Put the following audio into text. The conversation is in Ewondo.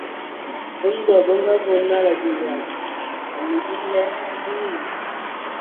Ndɔ bǝ ngabɔ nala biyon anǝ bila binyii.